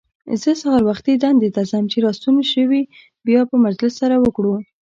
زه سهار وختي دندې ته ځم، چې راستون شوې بیا به مجلس سره وکړو.